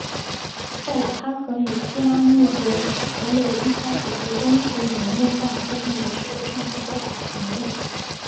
在老哈河与西拉木伦河流域发掘的东胡人墓葬被认为是对上述说法的旁证。